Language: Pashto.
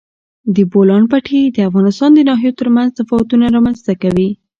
د بولان پټي د افغانستان د ناحیو ترمنځ تفاوتونه رامنځ ته کوي.